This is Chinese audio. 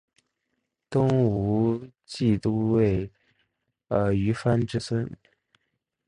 东吴骑都尉虞翻之孙。